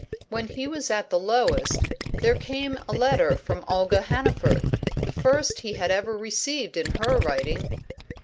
When he was at the lowest, there came a letter from Olga Hannaford, the first he had ever received in her writing.